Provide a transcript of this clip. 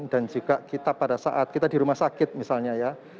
dan juga kita pada saat kita di rumah sakit misalnya ya